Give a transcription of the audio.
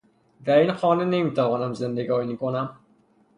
در این خانه نمیتوانم زندگانی کنم